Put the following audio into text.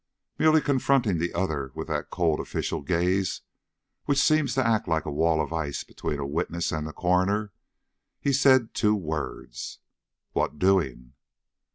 Merely confronting the other with that cold official gaze which seems to act like a wall of ice between a witness and the coroner, he said the two words: "What doing?"